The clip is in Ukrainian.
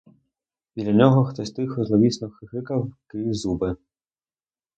Біля нього хтось тихо, зловісно хихикав крізь зуби.